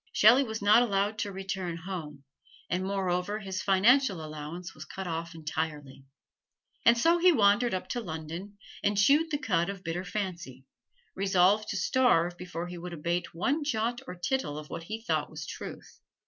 Shelley was not allowed to return home, and moreover his financial allowance was cut off entirely. And so he wandered up to London and chewed the cud of bitter fancy, resolved to starve before he would abate one jot or tittle of what he thought was truth.